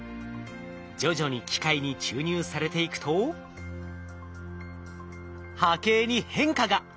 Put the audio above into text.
徐々に機械に注入されていくと波形に変化が！